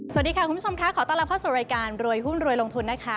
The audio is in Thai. สวัสดีค่ะคุณผู้ชมค่ะขอต้อนรับเข้าสู่รายการรวยหุ้นรวยลงทุนนะคะ